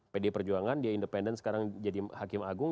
pd perjuangan dia independen sekarang jadi hakim agung